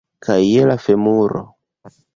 Kaj je la femuro.